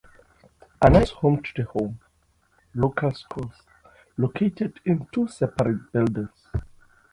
Anna is home to the Anna Local Schools, located in two separate buildings.